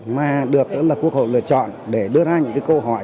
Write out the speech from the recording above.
mà được quốc hội lựa chọn để đưa ra những cái câu hỏi